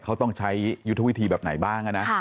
เขาต้องใช้ยุทธวิธีแบบไหนบ้างนะ